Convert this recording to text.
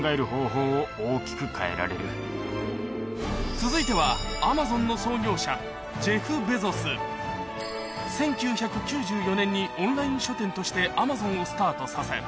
続いては１９９４年にオンライン書店としてアマゾンをスタートさせ